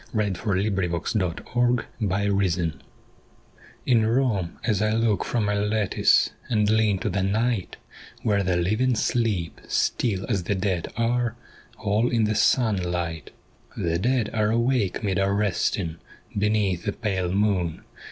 NEAR THE FORUM OF TRAJAN In Rome, as I look from my lattice And lean to the night, Where the living sleep, still as the dead are All in the sunlight. The dead are awake 'mid our resting Beneath the pale moon.